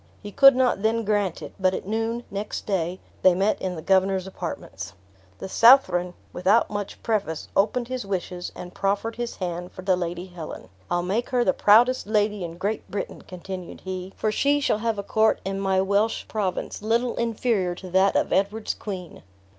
He could not then grant it; but at noon, next day, they met in the governor's apartments. The Southron, without much preface, opened his wishes, and proffered his hand for the Lady Helen. "I'll make her the proudest lady in Great Britain," continued he; "for she shall have a court in my Welsh province, little inferior to that of Edward's queen."